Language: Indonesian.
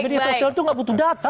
media sosial itu nggak butuh data